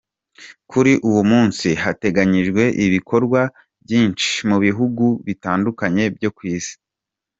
Kuri uwo munsi hateganyijwe ibikorwa byinshi mu bihugu bitandukanye byo kw’isi.